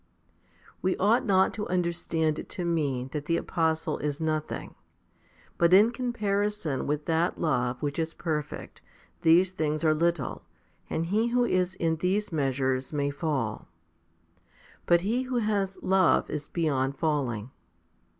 We ought not to understand it to mean that the apostle is nothing ; but in comparison with that charity which is perfect, these things are little, and he who is in these measures may fall ; but he who has charity is beyond falling.